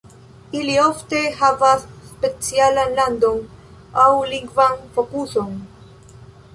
Ili ofte havas specialan landon, aŭ lingvan fokuson.